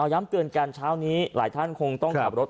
ย้ำเตือนกันเช้านี้หลายท่านคงต้องขับรถ